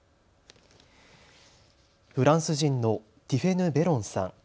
フランス人のティフェヌ・ベロンさん。